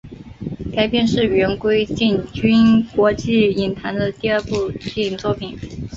该片是元奎进军国际影坛的第二部电影作品。